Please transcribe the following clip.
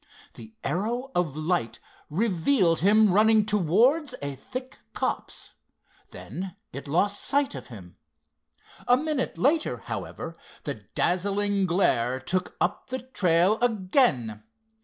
The arrow of light revealed him running towards a thick copse. Then it lost sight of him. A minute later, however, the dazzling glare took up the trail again.